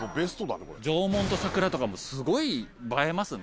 城門と桜とかすごい映えますね。